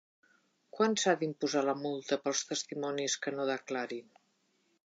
Quan s'ha d'imposar la multa pels testimonis que no declarin?